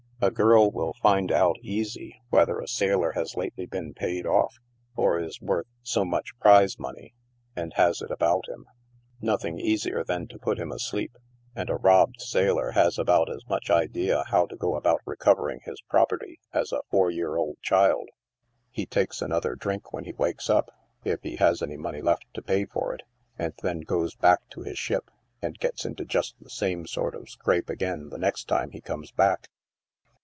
A girl will find out, easy, whe THE DANCE HOUSES, 33 ther a sailor has lately been paid off, or is worth so much prize money, and has it about him 5 nothing easier than to put him asleep, and a robbed sailor has about as much idea how to go about recov ering his property as a four year old child. He takes another drink when he wakes up, if he has money enough left to pay for it, and then goes back to his ship, and gels into just the same sort of scrape again the next time he comes back."